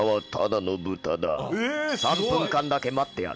３分間だけ待ってやる。